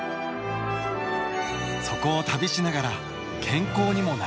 そこを旅しながら健康にもなれる。